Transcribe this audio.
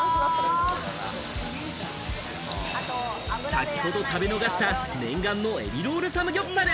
先ほど食べ逃した念願のエビロールサムギョプサル。